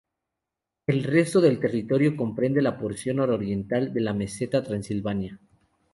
El resto del territorio comprende la porción nororiental de la meseta Transilvana.